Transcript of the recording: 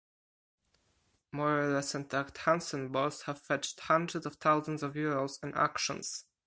More-or-less intact Hansen balls have fetched hundreds of thousands of Euros in auctions.